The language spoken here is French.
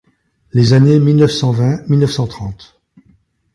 Les années mille neuf cent vingt – mille neuf cent trente.